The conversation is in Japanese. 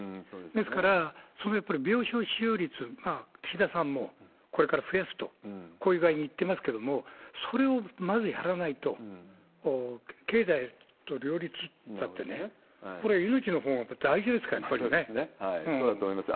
ですから、それはやっぱり病床使用率、岸田さんもこれから増やすと、こういう具合に言ってますけれども、それをまずやらないと、経済と両立っていったってね、これ、命のほうが大事ですから、やそうだと思います。